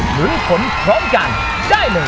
ลุ้นผลพร้อมกันได้เลย